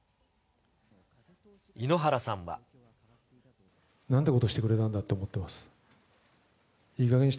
井ノ原さんは。なんてことしてくれたんだと思ってます。